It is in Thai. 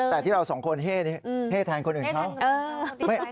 แต่ที่เราสองคนเฮ่นี้เฮ่แทนคนอื่นเขา